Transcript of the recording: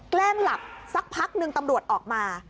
แกล้งหลับสักพักหนึ่งตำรวจออกมา